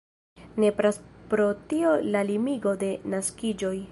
Nepras pro tio la limigo de naskiĝoj.